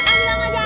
makasih bang ojak